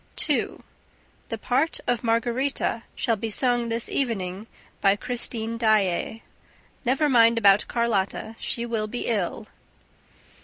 2. The part of Margarita shall be sung this evening by Christine Daae. Never mind about Carlotta; she will be ill.